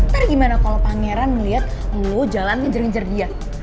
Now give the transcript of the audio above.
mereka ngeliat lo jalan ngejar ngejar dia